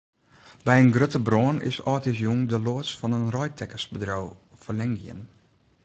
By in grutte brân is âldjiersjûn de loads fan in reidtekkersbedriuw ferlern gien.